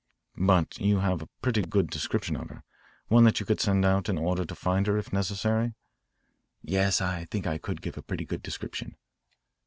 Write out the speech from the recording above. "But you have a pretty good description of her, one that you could send out in order to find her if necessary?" "Yes, I think I could give a pretty good description."